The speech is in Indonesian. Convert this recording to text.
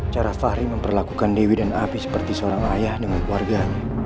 cara fahri memperlakukan dewi dan api seperti seorang ayah dengan keluarganya